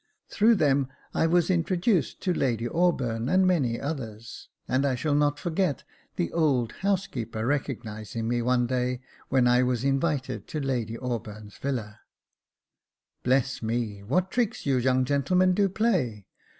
Through them I was introduced to Lady Auburn and many others j and I shall not forget the old housekeeper Jacob Faithful 397 recognising me one day, when I was invited to Lady Auburn's villa. " Bless me ! what tricks you young gentlemen do play.